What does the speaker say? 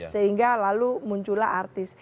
sehingga lalu muncul artis